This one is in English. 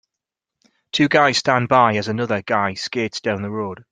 Two guys stand by as another guy skates down the road.